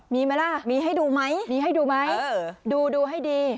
มีไหมล่ะมีให้ดูไหมมีให้ดูไหมดูดูให้ดี